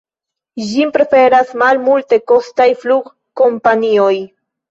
Ĝin preferas malmultekostaj flugkompanioj.